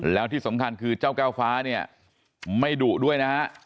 แล้วที่สำคัญคือเจ้าแก้วฟ้าเนี่ยไม่ดุด้วยนะฮะ